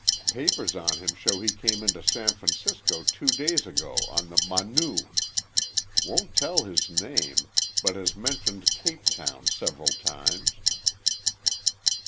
Papers on him show he came into San Francisco two days ago on the Manu. Won't tell his name, but has mentioned Cape Town several times."